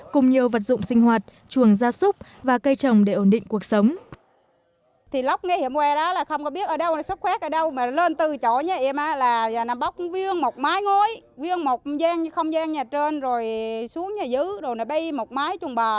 cùng nhiều vật dụng sinh hoạt chuồng gia súc và cây trồng để ổn định cuộc sống